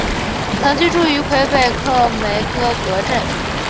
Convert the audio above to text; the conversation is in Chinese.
曾居住于魁北克梅戈格镇。